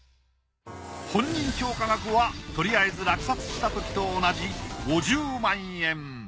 本人評価額はとりあえず落札したときと同じ５０万円。